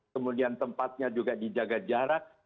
kemudian tempatnya juga dijaga jarak